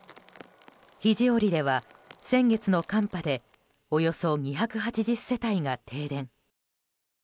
肘折では、先月の寒波でおよそ２８０世帯が停電。